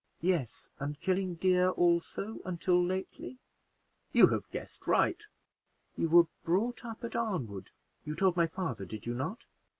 "Yes, and killing deer also, until lately?" "You have guessed right." "You were brought up at Arnwood, you told my father; did you not?"